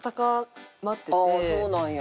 ああそうなんや。